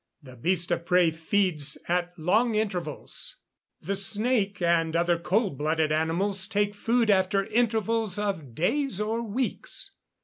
The beast of prey feeds at long intervals; the snake and other cold blooded animals take food after intervals of days or weeks.